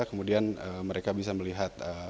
kemudian mereka bisa melihat